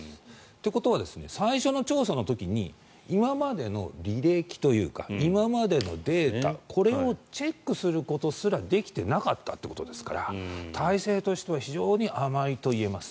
ということは最初の調査の時に今までの履歴というか今までのデータ、これをチェックすることすらできていなかったということですから体制としては非常に甘いと言えます。